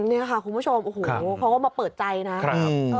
นี่ค่ะคุณผู้ชมโอ้โหเขาก็มาเปิดใจนะครับ